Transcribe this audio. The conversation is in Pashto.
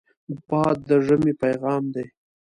باد د ژمې پیغام دی